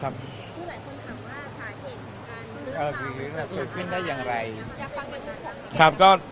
หลายคนถามว่าเอ่อคือขึ้นได้อย่างไรครับก็